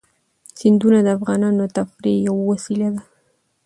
سیندونه د افغانانو د تفریح یوه وسیله ده.